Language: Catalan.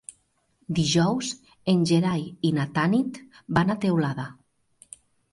Dijous en Gerai i na Tanit van a Teulada.